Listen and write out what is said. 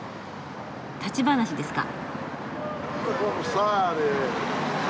立ち話ですか。